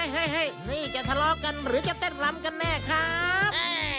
เฮ้ยนี่จะทะเลาะกันหรือจะเต้นลำกันแน่ครับ